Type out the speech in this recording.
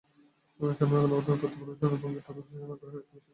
কেননা গণমাধ্যমের তথ্য পরিবশনের ভঙ্গি তাঁর বিশ্লেষণী আগ্রহের একটা বিষয় ছিল বটে।